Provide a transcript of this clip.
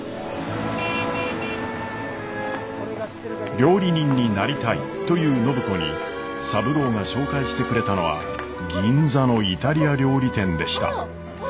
料理人になりたいという暢子に三郎が紹介してくれたのは銀座のイタリア料理店でした。